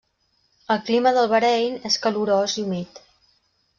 El clima del Bahrain és calorós i humit.